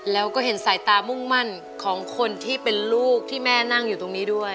แล้วก็เห็นสายตามุ่งมั่นของคนที่เป็นลูกที่แม่นั่งอยู่ตรงนี้ด้วย